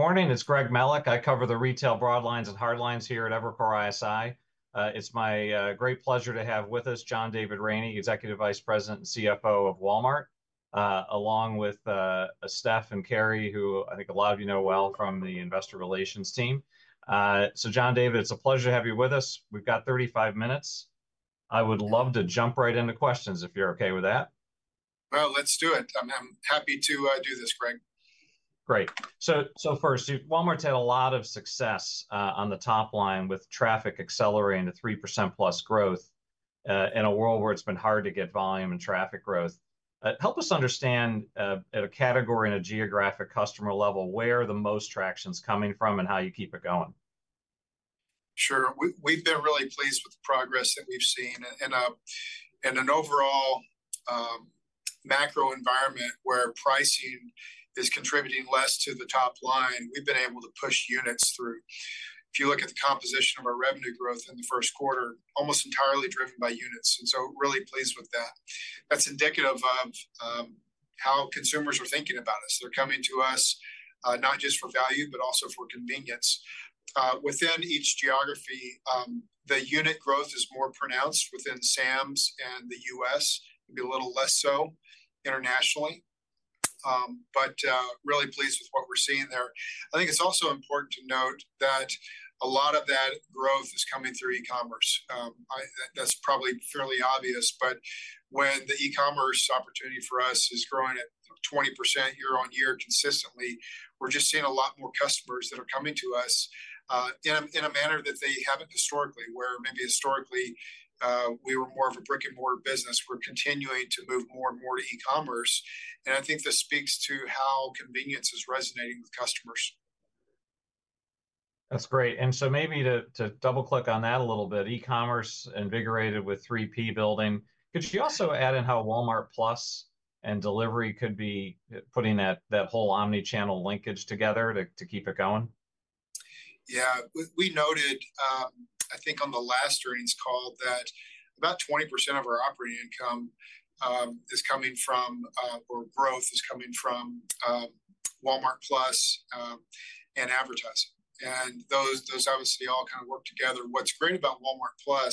Good morning. It's Greg Melich. I cover the retail broad lines and hard lines here at Evercore ISI. It's my great pleasure to have with us John David Rainey, Executive Vice President and CFO of Walmart, along with Steph and Kary who, I think, a lot of you know well from the investor relations team. So, John David, it's a pleasure to have you with us. We've got 35 minutes. I would love to jump right into questions if you're okay with that. Well, let's do it. I'm happy to do this, Greg. Great. So first, Walmart's had a lot of success on the top line with traffic accelerating to 3%+ growth in a world where it's been hard to get volume and traffic growth. Help us understand at a category and a geographic customer level where the most traction's coming from and how you keep it going? Sure. We've been really pleased with the progress that we've seen. In an overall macro environment where pricing is contributing less to the top line, we've been able to push units through. If you look at the composition of our revenue growth in the first quarter, almost entirely driven by units. So really pleased with that. That's indicative of how consumers are thinking about us. They're coming to us not just for value, but also for convenience. Within each geography, the unit growth is more pronounced within Sam's and the U.S. It'd be a little less so internationally. Really pleased with what we're seeing there. I think it's also important to note that a lot of that growth is coming through e-commerce. That's probably fairly obvious. But when the e-commerce opportunity for us is growing at 20% year-over-year consistently, we're just seeing a lot more customers that are coming to us in a manner that they haven't historically, where maybe historically we were more of a brick-and-mortar business. We're continuing to move more and more to e-commerce. I think this speaks to how convenience is resonating with customers. That's great. And so maybe to double-click on that a little bit, e-commerce invigorated with 3P building. Could you also add in how Walmart+ and delivery could be putting that whole omnichannel linkage together to keep it going? Yeah. We noted, I think on the last earnings call, that about 20% of our operating income is coming from or growth is coming from Walmart+ and advertising. Those obviously all kind of work together. What's great about Walmart+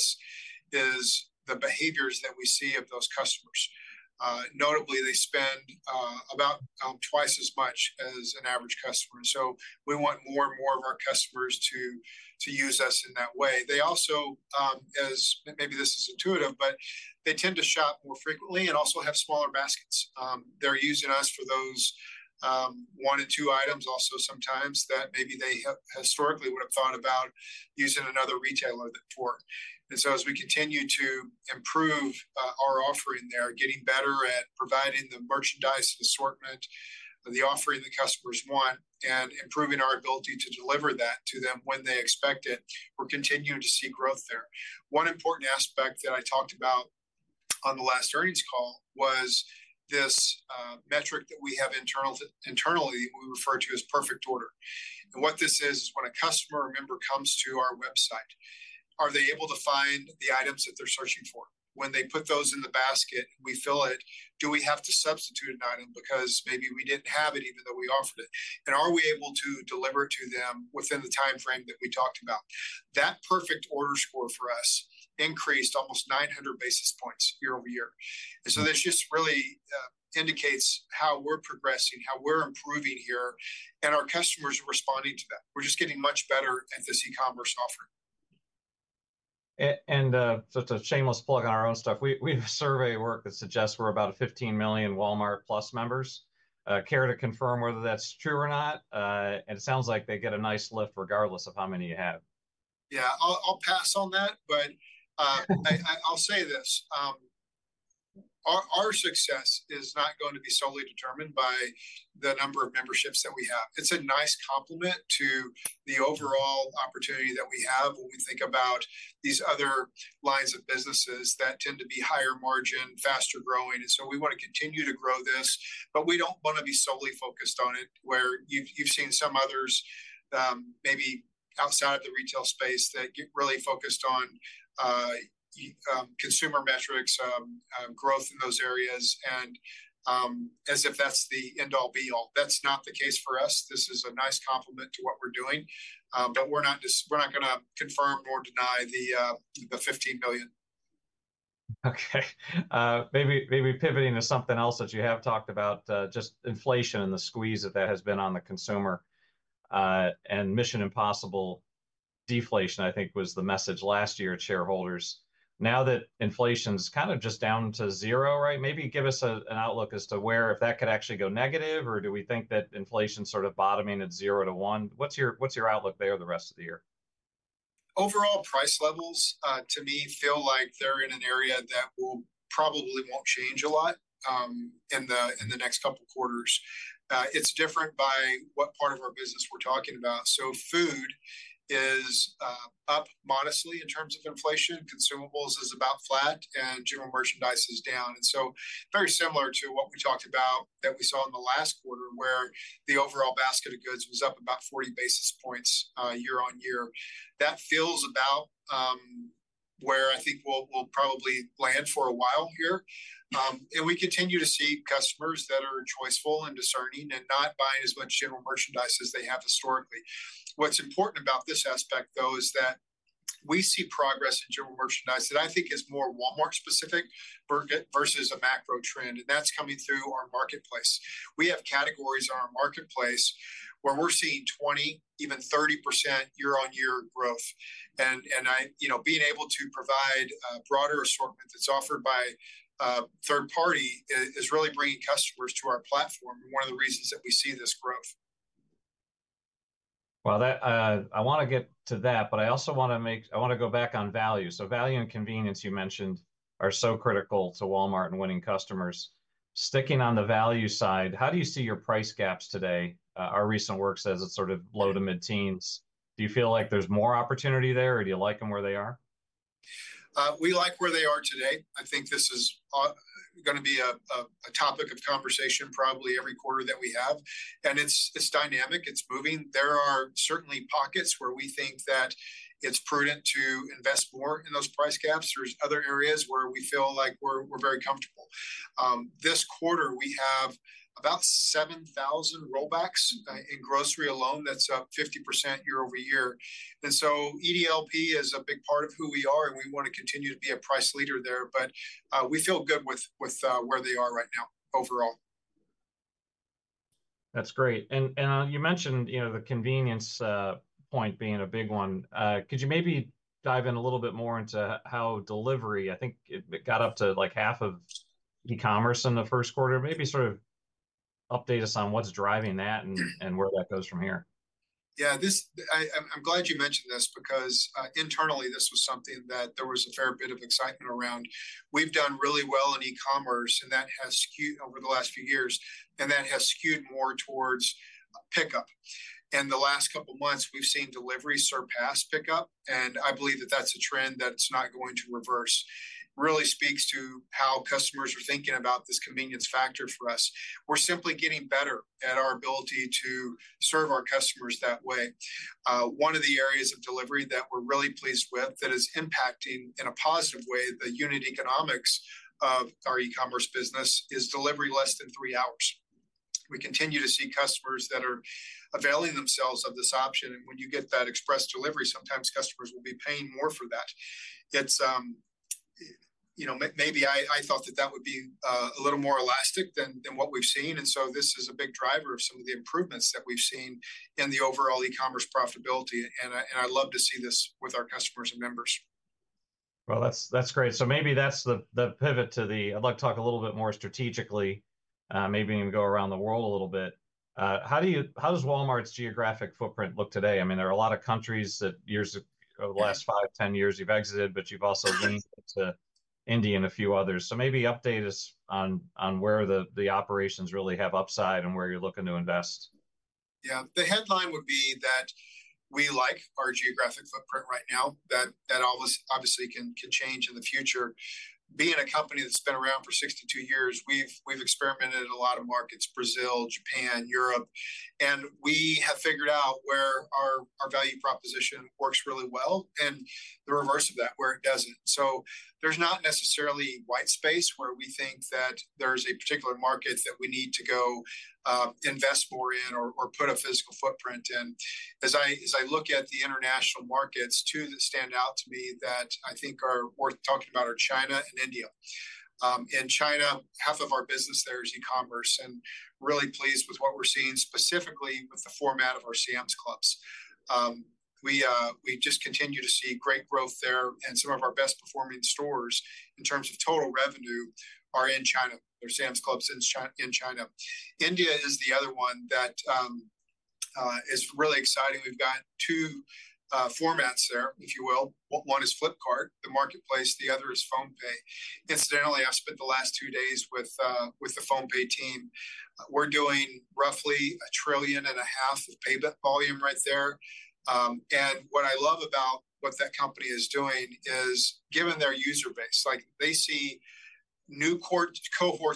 is the behaviors that we see of those customers. Notably, they spend about twice as much as an average customer. So we want more and more of our customers to use us in that way. They also, as maybe this is intuitive, but they tend to shop more frequently and also have smaller baskets. They're using us for those one and two items also sometimes that maybe they historically would have thought about using another retailer for. And so as we continue to improve our offering there, getting better at providing the merchandise assortment, the offering the customers want, and improving our ability to deliver that to them when they expect it, we're continuing to see growth there. One important aspect that I talked about on the last earnings call was this metric that we have internally that we refer to as Perfect Order. And what this is, is when a customer member comes to our website, are they able to find the items that they're searching for? When they put those in the basket, we fill it. Do we have to substitute an item because maybe we didn't have it even though we offered it? And are we able to deliver to them within the time frame that we talked about? That Perfect Order Score for us increased almost 900 basis points year-over-year. And so this just really indicates how we're progressing, how we're improving here, and our customers are responding to that. We're just getting much better at this e-commerce offering. Just a shameless plug on our own stuff. We have a survey work that suggests we're about 15 million Walmart+ members. Care to confirm whether that's true or not? It sounds like they get a nice lift regardless of how many you have. Yeah. I'll pass on that. But I'll say this. Our success is not going to be solely determined by the number of memberships that we have. It's a nice complement to the overall opportunity that we have when we think about these other lines of businesses that tend to be higher margin, faster growing. And so we want to continue to grow this, but we don't want to be solely focused on it where you've seen some others maybe outside of the retail space that get really focused on consumer metrics, growth in those areas, and as if that's the end all, be all. That's not the case for us. This is a nice complement to what we're doing. But we're not going to confirm or deny the 15 million. Okay. Maybe pivoting to something else that you have talked about, just inflation and the squeeze that there has been on the consumer. Mission Impossible deflation, I think, was the message last year to shareholders. Now that inflation's kind of just down to zero, right? Maybe give us an outlook as to where if that could actually go negative, or do we think that inflation's sort of bottoming at 0%-1%? What's your outlook there the rest of the year? Overall price levels, to me, feel like they're in an area that will probably not change a lot in the next couple of quarters. It's different by what part of our business we're talking about. So food is up modestly in terms of inflation. Consumables is about flat, and general merchandise is down. And so very similar to what we talked about that we saw in the last quarter where the overall basket of goods was up about 40 basis points year-over-year. That feels about where I think we'll probably land for a while here. And we continue to see customers that are choiceful and discerning and not buying as much general merchandise as they have historically. What's important about this aspect, though, is that we see progress in general merchandise that I think is more Walmart-specific versus a macro trend. And that's coming through our marketplace. We have categories on our marketplace where we're seeing 20%, even 30% year-on-year growth. Being able to provide a broader assortment that's offered by third party is really bringing customers to our platform, one of the reasons that we see this growth. Well, I want to get to that, but I also want to go back on value. So value and convenience you mentioned are so critical to Walmart and winning customers. Sticking on the value side, how do you see your price gaps today? Our recent work says it's sort of low to mid-teens. Do you feel like there's more opportunity there, or do you like them where they are? We like where they are today. I think this is going to be a topic of conversation probably every quarter that we have. It's dynamic. It's moving. There are certainly pockets where we think that it's prudent to invest more in those price gaps. There's other areas where we feel like we're very comfortable. This quarter, we have about 7,000 rollbacks in grocery alone. That's up 50% year-over-year. And so EDLP is a big part of who we are, and we want to continue to be a price leader there. We feel good with where they are right now overall. That's great. You mentioned the convenience point being a big one. Could you maybe dive in a little bit more into how delivery? I think it got up to like half of e-commerce in the first quarter. Maybe sort of update us on what's driving that and where that goes from here? Yeah. I'm glad you mentioned this because internally, this was something that there was a fair bit of excitement around. We've done really well in e-commerce, and that has skewed over the last few years, and that has skewed more towards pickup. In the last couple of months, we've seen delivery surpass pickup. And I believe that that's a trend that it's not going to reverse. Really speaks to how customers are thinking about this convenience factor for us. We're simply getting better at our ability to serve our customers that way. One of the areas of delivery that we're really pleased with that is impacting in a positive way the unit economics of our e-commerce business is delivery less than three hours. We continue to see customers that are availing themselves of this option. And when you get that Express Delivery, sometimes customers will be paying more for that. Maybe I thought that that would be a little more elastic than what we've seen. And so this is a big driver of some of the improvements that we've seen in the overall e-commerce profitability. And I'd love to see this with our customers and members. Well, that's great. So maybe that's the pivot to the, I'd like to talk a little bit more strategically, maybe even go around the world a little bit. How does Walmart's geographic footprint look today? I mean, there are a lot of countries that over the last five, 10 years, you've exited, but you've also leaned into India and a few others. So maybe update us on where the operations really have upside and where you're looking to invest. Yeah. The headline would be that we like our geographic footprint right now, that obviously can change in the future. Being a company that's been around for 62 years, we've experimented in a lot of markets: Brazil, Japan, Europe. We have figured out where our value proposition works really well and the reverse of that, where it doesn't. There's not necessarily white space where we think that there's a particular market that we need to go invest more in or put a physical footprint in. As I look at the international markets, two that stand out to me that I think are worth talking about are China and India. In China, half of our business there is e-commerce. Really pleased with what we're seeing, specifically with the format of our Sam's Clubs. We just continue to see great growth there. Some of our best-performing stores in terms of total revenue are in China. There's Sam's Clubs in China. India is the other one that is really exciting. We've got two formats there, if you will. One is Flipkart, the marketplace. The other is PhonePe. Incidentally, I spent the last two days with the PhonePe team. We're doing roughly 1.5 trillion of payment volume right there. And what I love about what that company is doing is given their user base, they see new cohorts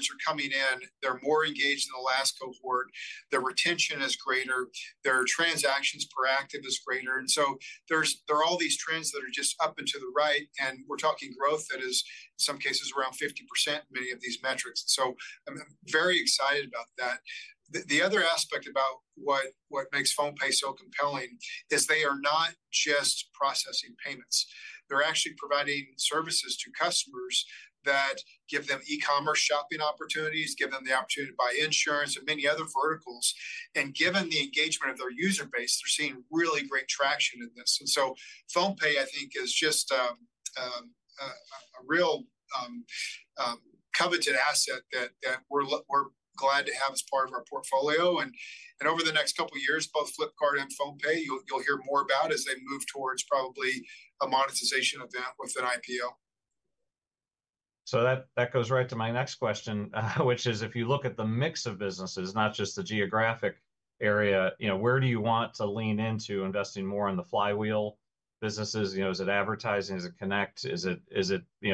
are coming in. They're more engaged in the last cohort. Their retention is greater. Their transactions per active is greater. And so there are all these trends that are just up and to the right. And we're talking growth that is, in some cases, around 50% in many of these metrics. So I'm very excited about that. The other aspect about what makes PhonePe so compelling is they are not just processing payments. They're actually providing services to customers that give them e-commerce shopping opportunities, give them the opportunity to buy insurance and many other verticals. And given the engagement of their user base, they're seeing really great traction in this. And so PhonePe, I think, is just a real coveted asset that we're glad to have as part of our portfolio. And over the next couple of years, both Flipkart and PhonePe, you'll hear more about as they move towards probably a monetization event with an IPO. So that goes right to my next question, which is if you look at the mix of businesses, not just the geographic area, where do you want to lean into investing more in the flywheel businesses? Is it advertising? Is it Connect? Is it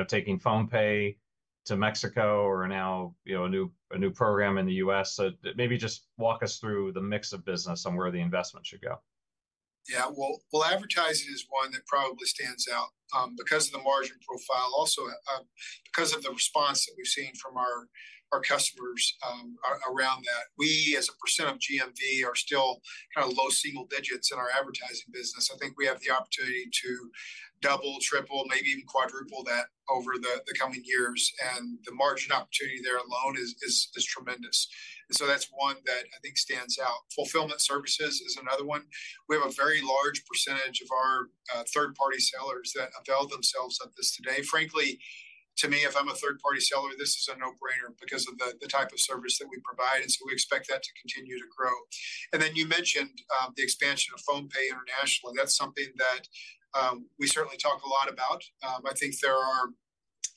taking PhonePe to Mexico or now a new program in the U.S.? Maybe just walk us through the mix of business and where the investment should go. Yeah. Well, advertising is one that probably stands out because of the margin profile, also because of the response that we've seen from our customers around that. We, as a percent of GMV, are still kind of low single digits in our advertising business. I think we have the opportunity to double, triple, maybe even quadruple that over the coming years. And the margin opportunity there alone is tremendous. And so that's one that I think stands out. Fulfillment services is another one. We have a very large percentage of our third-party sellers that avail themselves of this today. Frankly, to me, if I'm a third-party seller, this is a no-brainer because of the type of service that we provide. And so we expect that to continue to grow. And then you mentioned the expansion of PhonePe internationally. That's something that we certainly talk a lot about. I think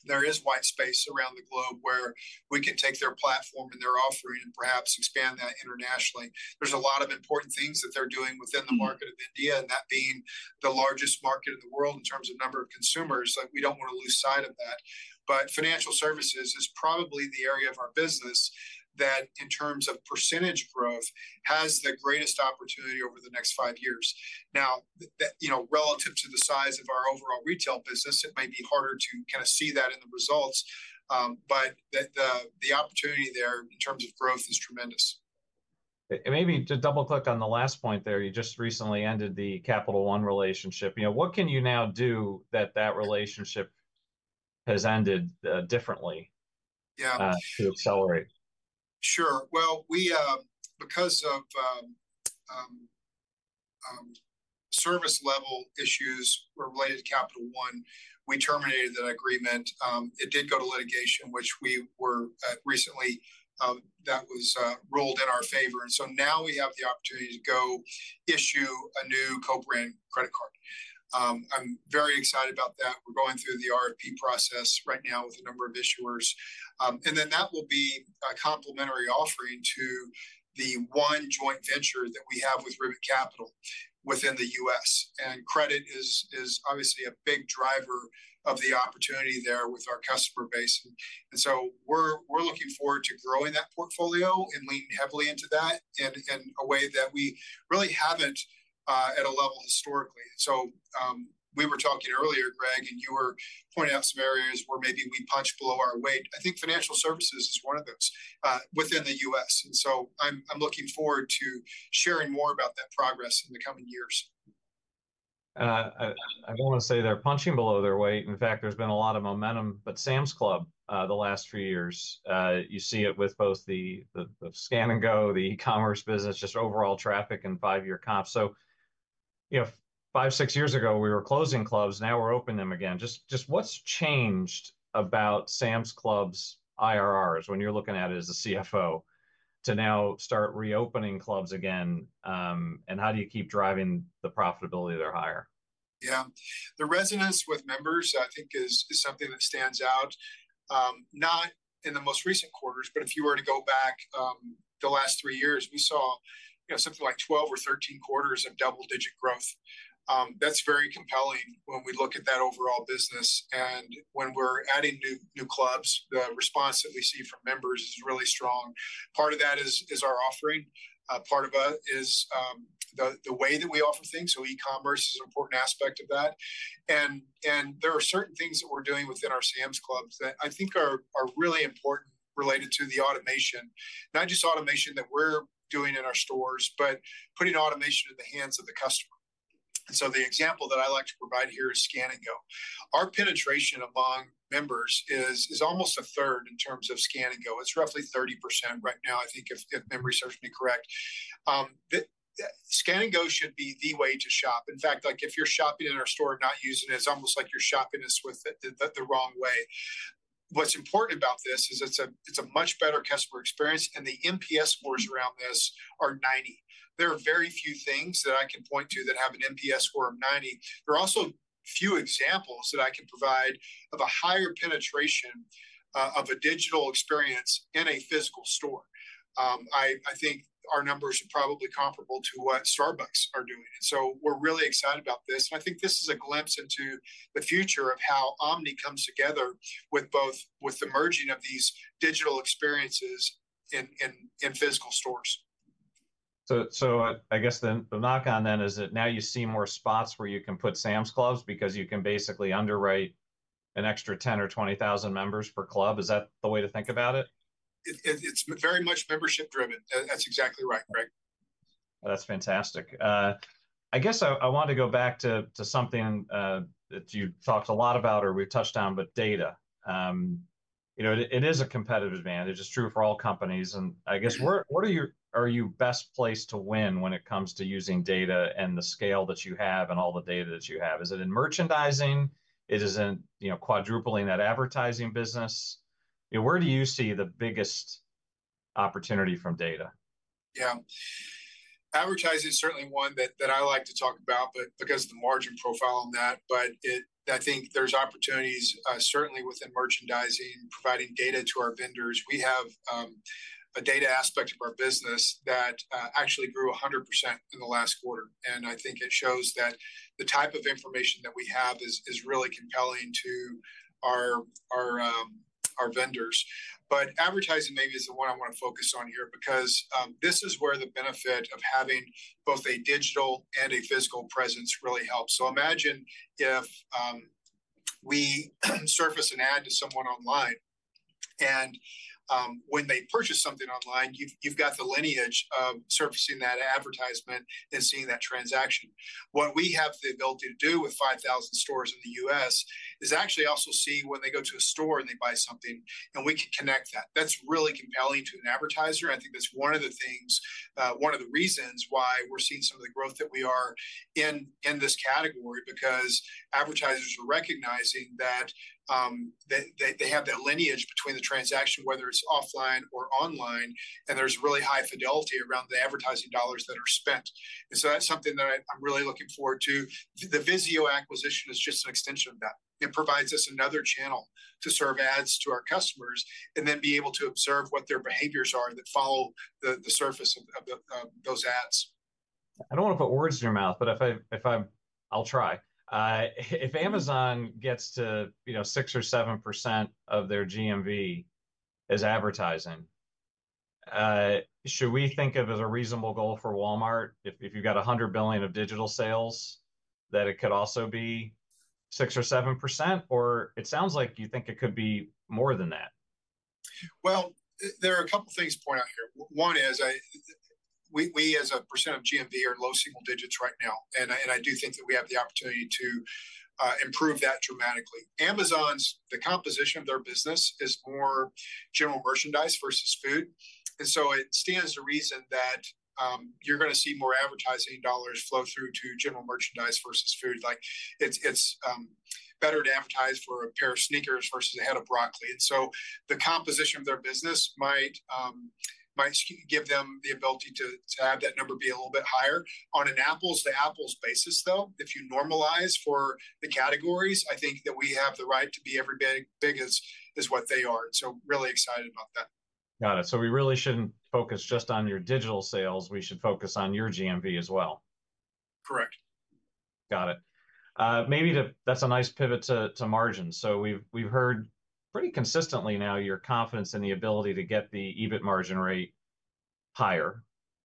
there is white space around the globe where we can take their platform and their offering and perhaps expand that internationally. There's a lot of important things that they're doing within the market of India, and that being the largest market in the world in terms of number of consumers. We don't want to lose sight of that. But financial services is probably the area of our business that, in terms of percentage growth, has the greatest opportunity over the next five years. Now, relative to the size of our overall retail business, it might be harder to kind of see that in the results, but the opportunity there in terms of growth is tremendous. Maybe to double-click on the last point there, you just recently ended the Capital One relationship. What can you now do that that relationship has ended differently to accelerate? Yeah. Sure. Well, because of service-level issues related to Capital One, we terminated that agreement. It did go to litigation, which we were recently that was ruled in our favor. And so now we have the opportunity to go issue a new co-brand credit card. I'm very excited about that. We're going through the RFP process right now with a number of issuers. And then that will be a complementary offering to the one joint venture that we have with Ribbit Capital within the U.S. And credit is obviously a big driver of the opportunity there with our customer base. And so we're looking forward to growing that portfolio and leaning heavily into that in a way that we really haven't at a level historically. So we were talking earlier, Greg, and you were pointing out some areas where maybe we punch below our weight. I think financial services is one of those within the U.S. And so I'm looking forward to sharing more about that progress in the coming years. I don't want to say they're punching below their weight. In fact, there's been a lot of momentum, but Sam's Club, the last three years, you see it with both the Scan & Go, the e-commerce business, just overall traffic and five-year comp. So five, six years ago, we were closing clubs. Now we're opening them again. Just what's changed about Sam's Club's IRRs when you're looking at it as a CFO to now start reopening clubs again? And how do you keep driving the profitability there higher? Yeah. The resonance with members, I think, is something that stands out. Not in the most recent quarters, but if you were to go back the last three years, we saw something like 12 or 13 quarters of double-digit growth. That's very compelling when we look at that overall business. When we're adding new clubs, the response that we see from members is really strong. Part of that is our offering. Part of it is the way that we offer things. E-commerce is an important aspect of that. There are certain things that we're doing within our Sam's Club that I think are really important related to the automation. Not just automation that we're doing in our stores, but putting automation in the hands of the customer. The example that I like to provide here is Scan & Go. Our penetration among members is almost a third in terms of Scan & Go. It's roughly 30% right now, I think, if memory serves me correct. Scan & Go should be the way to shop. In fact, if you're shopping in our store and not using it, it's almost like you're shopping us the wrong way. What's important about this is it's a much better customer experience. And the NPS scores around this are 90. There are very few things that I can point to that have an NPS score of 90. There are also few examples that I can provide of a higher penetration of a digital experience in a physical store. I think our numbers are probably comparable to what Starbucks are doing. And so we're really excited about this. I think this is a glimpse into the future of how omni comes together with the merging of these digital experiences in physical stores. I guess the knock-on then is that now you see more spots where you can put Sam's Clubs because you can basically underwrite an extra 10 or 20,000 members per club. Is that the way to think about it? It's very much membership-driven. That's exactly right, Greg. That's fantastic. I guess I want to go back to something that you talked a lot about or we've touched on, but data. It is a competitive advantage. It's true for all companies. I guess, where are you best placed to win when it comes to using data and the scale that you have and all the data that you have? Is it in merchandising? Is it in quadrupling that advertising business? Where do you see the biggest opportunity from data? Yeah. Advertising is certainly one that I like to talk about because of the margin profile on that. But I think there's opportunities certainly within merchandising, providing data to our vendors. We have a data aspect of our business that actually grew 100% in the last quarter. And I think it shows that the type of information that we have is really compelling to our vendors. But advertising maybe is the one I want to focus on here because this is where the benefit of having both a digital and a physical presence really helps. So imagine if we surface an ad to someone online. And when they purchase something online, you've got the lineage of surfacing that advertisement and seeing that transaction. What we have the ability to do with 5,000 stores in the U.S. is actually also see when they go to a store and they buy something, and we can connect that. That's really compelling to an advertiser. I think that's one of the things, one of the reasons why we're seeing some of the growth that we are in this category because advertisers are recognizing that they have that lineage between the transaction, whether it's offline or online, and there's really high fidelity around the advertising dollars that are spent. And so that's something that I'm really looking forward to. The Vizio acquisition is just an extension of that. It provides us another channel to serve ads to our customers and then be able to observe what their behaviors are that follow the serving of those ads. I don't want to put words in your mouth, but I'll try. If Amazon gets to 6% or 7% of their GMV as advertising, should we think of it as a reasonable goal for Walmart? If you've got $100 billion of digital sales, that it could also be 6% or 7%? Or it sounds like you think it could be more than that. Well, there are a couple of things to point out here. One is we, as a % of GMV, are low single digits right now. And I do think that we have the opportunity to improve that dramatically. Amazon's, the composition of their business is more general merchandise versus food. And so it stands to reason that you're going to see more advertising dollars flow through to general merchandise versus food. It's better to advertise for a pair of sneakers versus a head of broccoli. And so the composition of their business might give them the ability to have that number be a little bit higher. On an apples-to-apples basis, though, if you normalize for the categories, I think that we have the right to be every bit as big as what they are. So really excited about that. Got it. We really shouldn't focus just on your digital sales. We should focus on your GMV as well. Correct. Got it. Maybe that's a nice pivot to margin. So we've heard pretty consistently now your confidence in the ability to get the EBIT margin rate higher.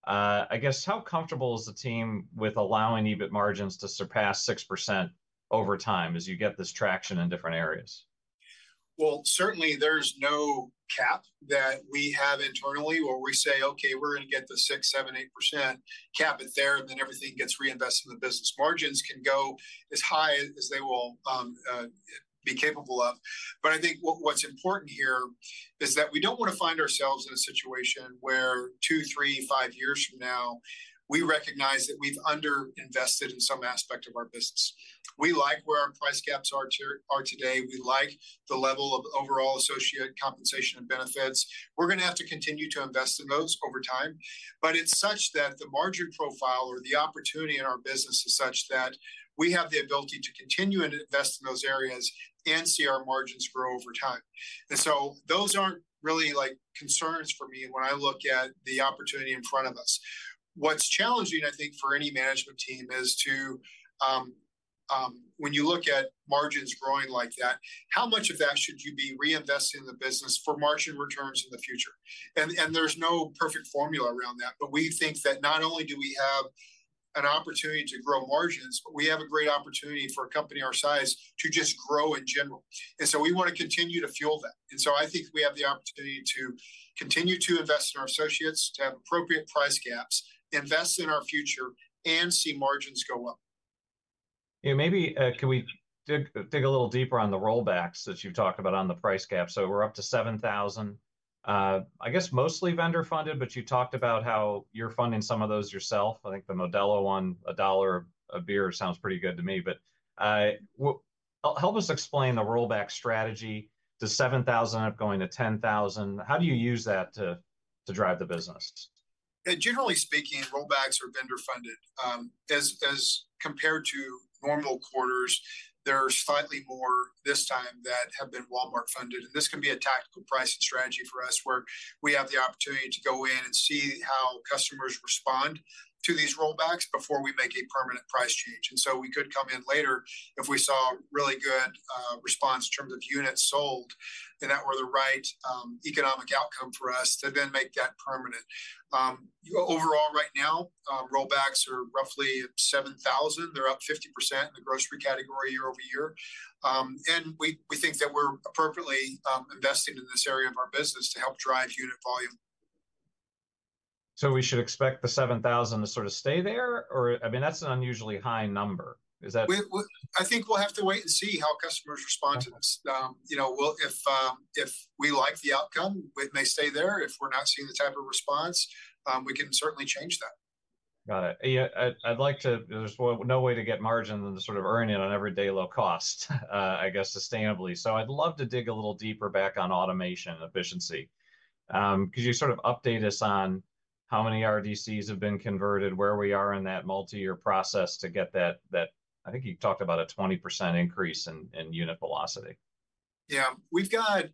I guess, how comfortable is the team with allowing EBIT margins to surpass 6% over time as you get this traction in different areas? Well, certainly, there's no cap that we have internally. Where we say, "Okay, we're going to get the 6%, 7%, 8%, cap it there, and then everything gets reinvested in the business," margins can go as high as they will be capable of. But I think what's important here is that we don't want to find ourselves in a situation where two, three, five years from now, we recognize that we've underinvested in some aspect of our business. We like where our price gaps are today. We like the level of overall associated compensation and benefits. We're going to have to continue to invest in those over time. But it's such that the margin profile or the opportunity in our business is such that we have the ability to continue and invest in those areas and see our margins grow over time. And so those aren't really concerns for me when I look at the opportunity in front of us. What's challenging, I think, for any management team is when you look at margins growing like that, how much of that should you be reinvesting in the business for margin returns in the future? And there's no perfect formula around that. But we think that not only do we have an opportunity to grow margins, but we have a great opportunity for a company our size to just grow in general. And so we want to continue to fuel that. And so I think we have the opportunity to continue to invest in our associates, to have appropriate price gaps, invest in our future, and see margins go up. Maybe can we dig a little deeper on the rollbacks that you've talked about on the price gap? So we're up to 7,000. I guess mostly vendor-funded, but you talked about how you're funding some of those yourself. I think the Modelo one, $1 a beer sounds pretty good to me. But help us explain the rollback strategy to 7,000 up going to 10,000. How do you use that to drive the business? Generally speaking, rollbacks are vendor-funded. As compared to normal quarters, there are slightly more this time that have been Walmart-funded. This can be a tactical pricing strategy for us where we have the opportunity to go in and see how customers respond to these rollbacks before we make a permanent price change. So we could come in later if we saw really good response in terms of units sold and that were the right economic outcome for us to then make that permanent. Overall, right now, rollbacks are roughly at 7,000. They're up 50% in the grocery category year-over-year. We think that we're appropriately investing in this area of our business to help drive unit volume. So we should expect the 7,000 to sort of stay there? Or I mean, that's an unusually high number. Is that? I think we'll have to wait and see how customers respond to this. If we like the outcome, it may stay there. If we're not seeing the type of response, we can certainly change that. Got it. I'd like to. There's no way to get margin than to sort of earn it on everyday low cost, I guess, sustainably. So I'd love to dig a little deeper back on automation efficiency. Could you sort of update us on how many RDCs have been converted, where we are in that multi-year process to get that? I think you talked about a 20% increase in unit velocity. Yeah. We've got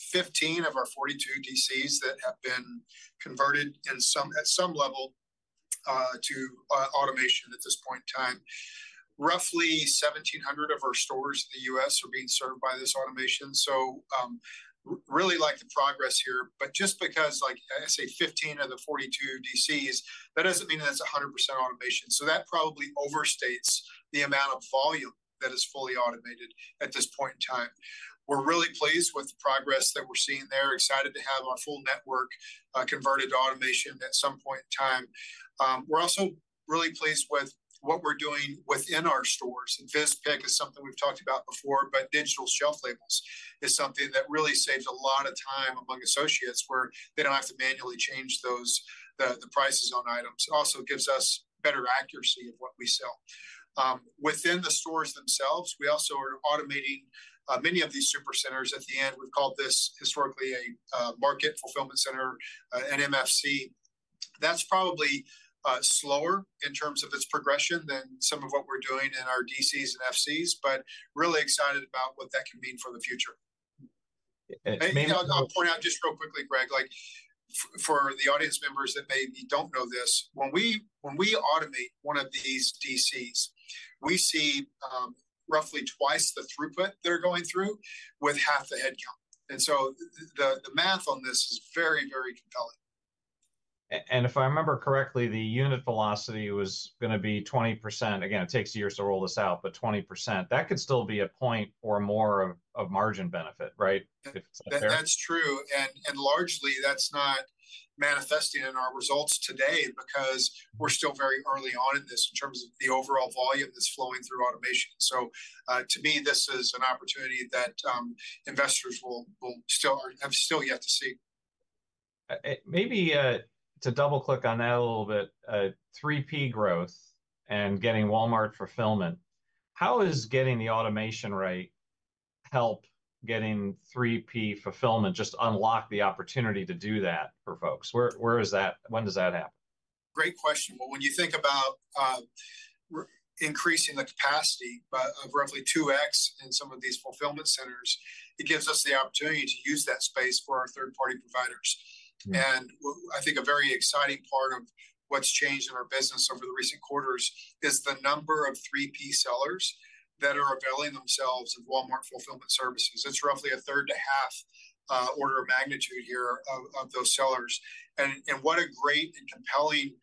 15 of our 42 DCs that have been converted at some level to automation at this point in time. Roughly 1,700 of our stores in the U.S. are being served by this automation. So really like the progress here. But just because I say 15 of the 42 DCs, that doesn't mean that's 100% automation. So that probably overstates the amount of volume that is fully automated at this point in time. We're really pleased with the progress that we're seeing there. Excited to have our full network converted to automation at some point in time. We're also really pleased with what we're doing within our stores. VizPick is something we've talked about before, but digital shelf labels is something that really saves a lot of time among associates where they don't have to manually change the prices on items. It also gives us better accuracy of what we sell. Within the stores themselves, we also are automating many of these super centers at the end. We've called this historically a market fulfillment center, an MFC. That's probably slower in terms of its progression than some of what we're doing in our DCs and FCs, but really excited about what that can mean for the future. Maybe. I'll point out just real quickly, Greg, for the audience members that maybe don't know this, when we automate one of these DCs, we see roughly twice the throughput they're going through with half the headcount. And so the math on this is very, very compelling. If I remember correctly, the unit velocity was going to be 20%. Again, it takes years to roll this out, but 20%. That could still be a point or more of margin benefit, right? That's true. And largely, that's not manifesting in our results today because we're still very early on in this in terms of the overall volume that's flowing through automation. So to me, this is an opportunity that investors have still yet to see. Maybe to double-click on that a little bit, 3P growth and getting Walmart fulfillment, how is getting the automation rate help getting 3P fulfillment just unlock the opportunity to do that for folks? When does that happen? Great question. Well, when you think about increasing the capacity of roughly 2X in some of these fulfillment centers, it gives us the opportunity to use that space for our third-party providers. And I think a very exciting part of what's changed in our business over the recent quarters is the number of 3P sellers that are availing themselves of Walmart Fulfillment Services. It's roughly a third to half order of magnitude here of those sellers. And what a great and compelling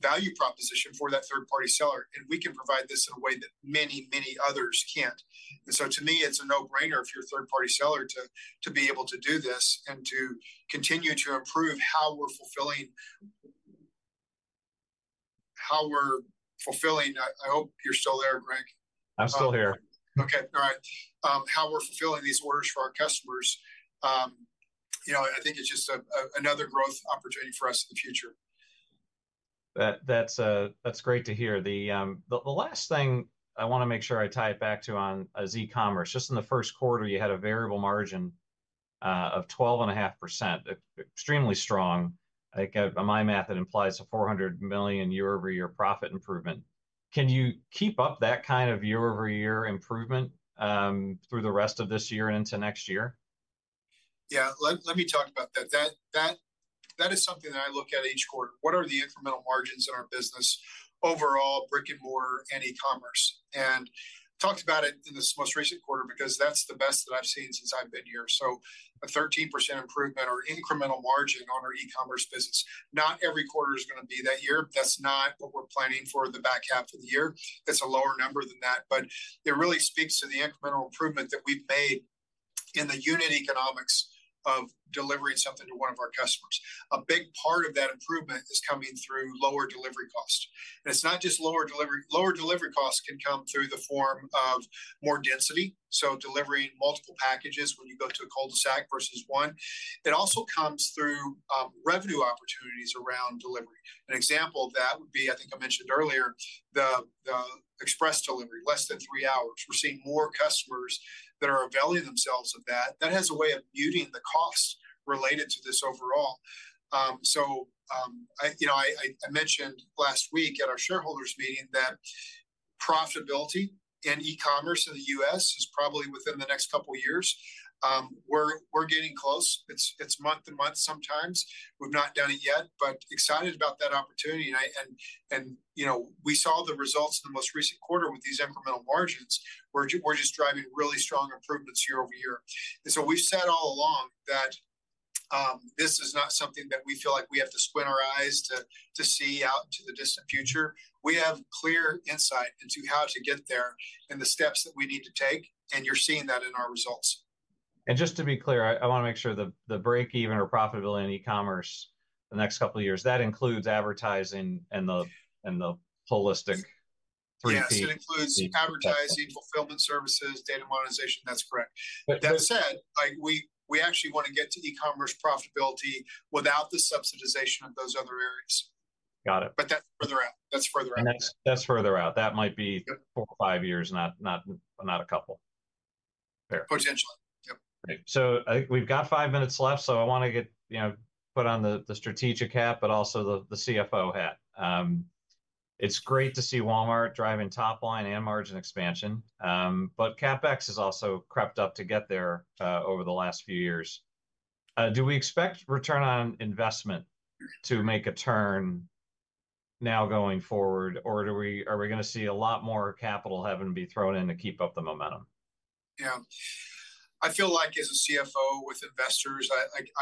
value proposition for that third-party seller. And we can provide this in a way that many, many others can't. And so to me, it's a no-brainer for your third-party seller to be able to do this and to continue to improve how we're fulfilling. I hope you're still there, Greg. I'm still here. Okay. All right. How we're fulfilling these orders for our customers, I think it's just another growth opportunity for us in the future. That's great to hear. The last thing I want to make sure I tie it back to on is e-commerce. Just in the first quarter, you had a variable margin of 12.5%, extremely strong. I think on my math, it implies a $400 million year-over-year profit improvement. Can you keep up that kind of year-over-year improvement through the rest of this year and into next year? Yeah. Let me talk about that. That is something that I look at each quarter. What are the incremental margins in our business overall, brick and mortar, and e-commerce? I talked about it in this most recent quarter because that's the best that I've seen since I've been here. So a 13% improvement or incremental margin on our e-commerce business. Not every quarter is going to be that year. That's not what we're planning for the back half of the year. It's a lower number than that. But it really speaks to the incremental improvement that we've made in the unit economics of delivering something to one of our customers. A big part of that improvement is coming through lower delivery costs. And it's not just lower delivery. Lower delivery costs can come through the form of more density, so delivering multiple packages when you go to a cul-de-sac versus one. It also comes through revenue opportunities around delivery. An example of that would be, I think I mentioned earlier, the Express Delivery, less than three hours. We're seeing more customers that are availing themselves of that. That has a way of muting the costs related to this overall. So I mentioned last week at our shareholders meeting that profitability in e-commerce in the U.S. is probably within the next couple of years. We're getting close. It's month-to-month sometimes. We've not done it yet, but excited about that opportunity. And we saw the results in the most recent quarter with these incremental margins where we're just driving really strong improvements year-over-year. So we've said all along that this is not something that we feel like we have to squint our eyes to see out into the distant future. We have clear insight into how to get there and the steps that we need to take. You're seeing that in our results. Just to be clear, I want to make sure the break-even or profitability in e-commerce the next couple of years, that includes advertising and the holistic 3P. Yes, it includes advertising, fulfillment services, data modernization. That's correct. That said, we actually want to get to e-commerce profitability without the subsidization of those other areas. Got it. But that's further out. That's further out. That's further out. That might be four or five years, not a couple. Potentially. Yep. We've got five minutes left. I want to get put on the strategic hat, but also the CFO hat. It's great to see Walmart driving top line and margin expansion. CapEx has also crept up to get there over the last few years. Do we expect return on investment to make a turn now going forward, or are we going to see a lot more capital having to be thrown in to keep up the momentum? Yeah. I feel like as a CFO with investors,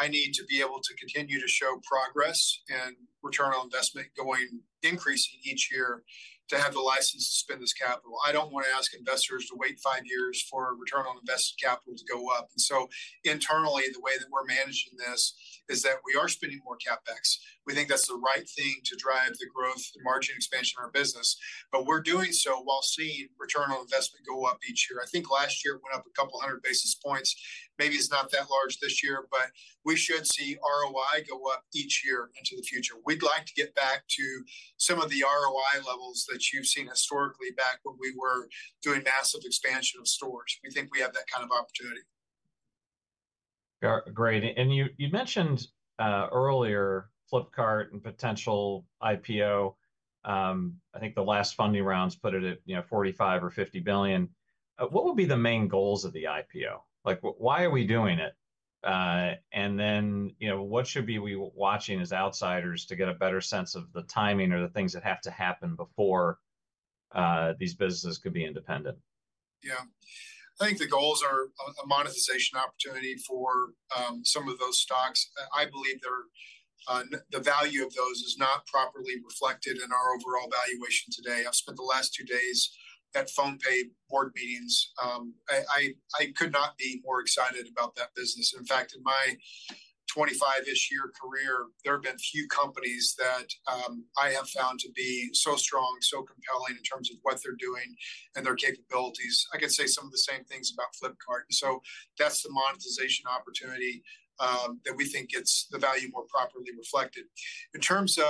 I need to be able to continue to show progress and return on investment going increasing each year to have the license to spend this capital. I don't want to ask investors to wait five years for return on invested capital to go up. And so internally, the way that we're managing this is that we are spending more CapEx. We think that's the right thing to drive the growth, the margin expansion of our business. But we're doing so while seeing return on investment go up each year. I think last year went up a couple hundred basis points. Maybe it's not that large this year, but we should see ROI go up each year into the future. We'd like to get back to some of the ROI levels that you've seen historically back when we were doing massive expansion of stores. We think we have that kind of opportunity. Great. And you mentioned earlier Flipkart and potential IPO. I think the last funding rounds put it at $45 billion-$50 billion. What would be the main goals of the IPO? Why are we doing it? And then what should be we watching as outsiders to get a better sense of the timing or the things that have to happen before these businesses could be independent? Yeah. I think the goals are a monetization opportunity for some of those stocks. I believe the value of those is not properly reflected in our overall valuation today. I've spent the last two days at PhonePe board meetings. I could not be more excited about that business. In fact, in my 25-ish year career, there have been few companies that I have found to be so strong, so compelling in terms of what they're doing and their capabilities. I can say some of the same things about Flipkart. So that's the monetization opportunity that we think gets the value more properly reflected. In terms of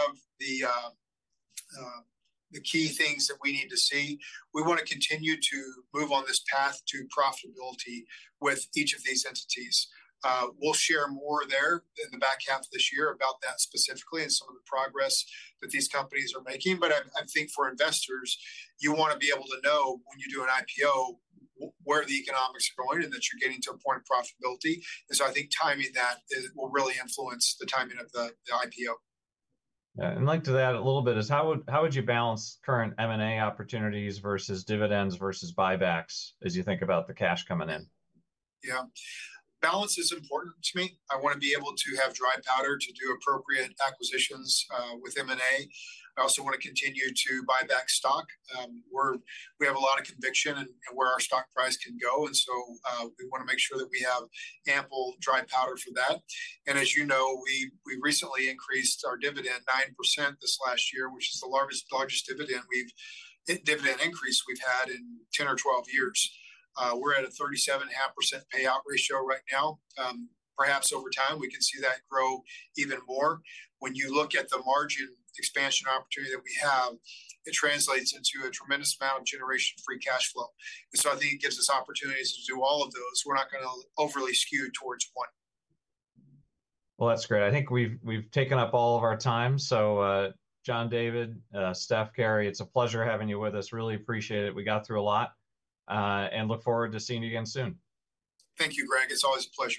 the key things that we need to see, we want to continue to move on this path to profitability with each of these entities. We'll share more there in the back half of this year about that specifically and some of the progress that these companies are making. But I think for investors, you want to be able to know when you do an IPO where the economics are going and that you're getting to a point of profitability. And so I think timing that will really influence the timing of the IPO. Yeah. And like to that a little bit is how would you balance current M&A opportunities versus dividends versus buybacks as you think about the cash coming in? Yeah. Balance is important to me. I want to be able to have dry powder to do appropriate acquisitions with M&A. I also want to continue to buy back stock. We have a lot of conviction in where our stock price can go. And so we want to make sure that we have ample dry powder for that. And as you know, we recently increased our dividend 9% this last year, which is the largest dividend increase we've had in 10 or 12 years. We're at a 37.5% payout ratio right now. Perhaps over time, we can see that grow even more. When you look at the margin expansion opportunity that we have, it translates into a tremendous amount of generation of free cash flow. And so I think it gives us opportunities to do all of those. We're not going to overly skew towards one. Well, that's great. I think we've taken up all of our time. So John David, Steph, Kary, it's a pleasure having you with us. Really appreciate it. We got through a lot and look forward to seeing you again soon. Thank you, Greg. It's always a pleasure.